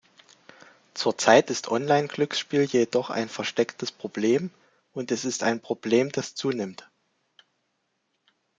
Zurzeit ist Online-Glücksspiel jedoch ein verstecktes Problem und es ist ein Problem, das zunimmt.